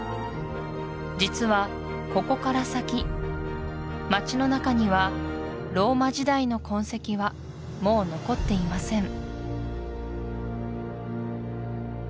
実はここから先街の中にはローマ時代の痕跡はもう残っていません